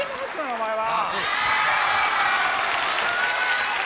⁉お前は。